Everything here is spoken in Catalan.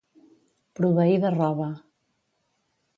Proveir de roba.